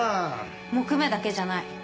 木目だけじゃない。